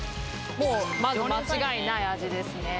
もうまず間違いない味ですね